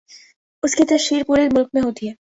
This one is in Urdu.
اس کی تشہیر پورے ملک میں ہوتی تھی۔